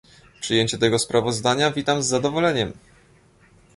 Przyjęcie tego sprawozdania witam z zadowoleniem